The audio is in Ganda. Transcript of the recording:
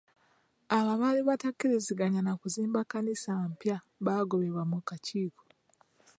Abo abaali batakiriziganya na kuzimba kkanisa mpya baagobebwa ku kakiiko.